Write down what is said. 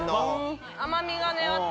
甘みがあって。